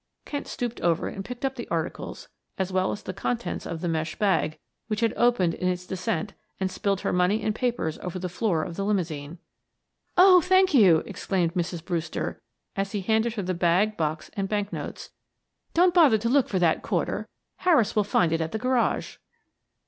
Kent stooped over and picked up the articles as well as the contents of the mesh bag, which had opened in its descent and spilled her money and papers over the floor of the limousine. "Oh, thank you," exclaimed Mrs. Brewster, as he handed her the bag, box, and bank notes. "Don't bother to look for that quarter; Harris will find it at the garage."